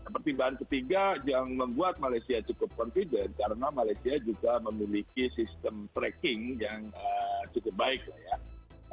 pertimbangan ketiga yang membuat malaysia cukup confident karena malaysia juga memiliki sistem tracking yang cukup baik lah ya